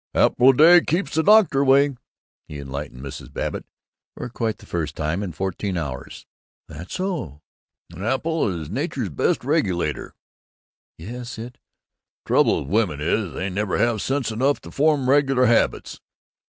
"An apple a day keeps the doctor away," he enlightened Mrs. Babbitt, for quite the first time in fourteen hours. "That's so." "An apple is Nature's best regulator." "Yes, it " "Trouble with women is, they never have sense enough to form regular habits."